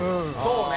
そうね。